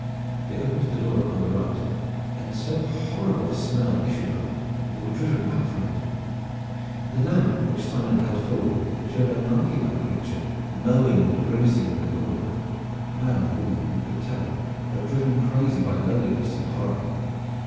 They opened the door upon the right, and so horrible a smell issued from it that they were driven back from it. The lamp which Simon held forward showed a monkeylike creature mowing and grimacing in the corner, man or woman none could tell, but driven crazy by loneliness and horror.